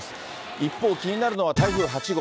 一方、気になるのは、台風８号。